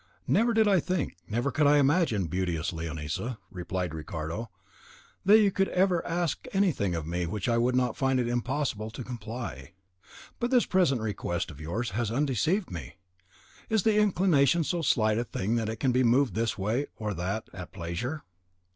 "Never did I think, never could I imagine, beauteous Leonisa," replied Ricardo, "that you could ever ask anything of me with which I should find it impossible to comply; but this present request of yours has undeceived me. Is the inclination so slight a thing that it can be moved this way or that at pleasure?